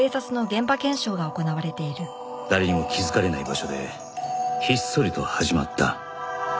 誰にも気づかれない場所でひっそりと始まった